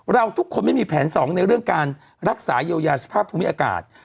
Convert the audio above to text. เราทุกคนไม่มีแผนสองในเรื่องการรักษาเยียวยาสภาพภูมิอากาศ